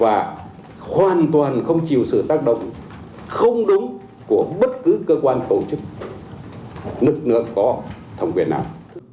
và hoàn toàn không chịu sự tác động không đúng của bất cứ cơ quan tổ chức nước nước có thống quyền nào